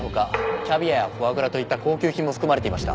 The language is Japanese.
キャビアやフォアグラといった高級品も含まれていました。